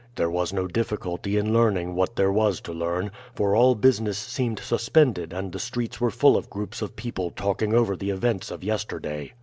"There was no difficulty in learning what there was to learn, for all business seemed suspended and the streets were full of groups of people talking over the events of yesterday.